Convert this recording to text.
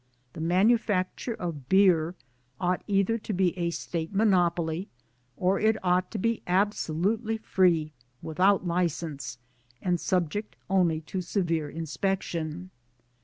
The manufacture of beer ought either to be a State monopoly or it ought to be absolutely free, without licence, and subject only to a severe inspection.